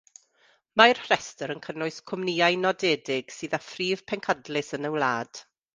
Mae'r rhestr yn cynnwys cwmnïau nodedig sydd â phrif pencadlys yn y wlad.